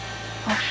あっ。